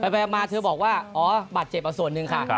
มาเธอบอกว่าอ๋อบาดเจ็บมาส่วนหนึ่งค่ะ